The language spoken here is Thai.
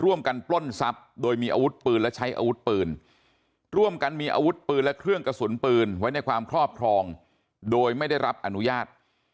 ปล้นทรัพย์โดยมีอาวุธปืนและใช้อาวุธปืนร่วมกันมีอาวุธปืนและเครื่องกระสุนปืนไว้ในความครอบครองโดยไม่ได้รับอนุญาต